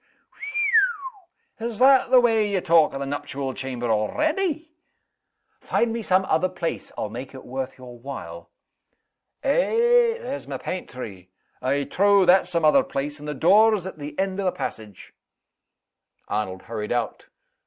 "Whew! Is that the way ye talk o' the nuptial chamber already?" "Find me some other place I'll make it worth your while." "Eh! there's my paintry! I trow that's some other place; and the door's at the end o' the passage." Arnold hurried out.